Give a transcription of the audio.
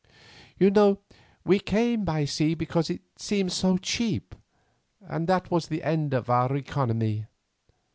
You know we came by sea because it seemed so cheap, and that was the end of our economy.